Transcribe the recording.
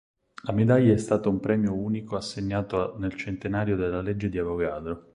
La medaglia è stata un premio unico assegnato nel centenario della legge di Avogadro.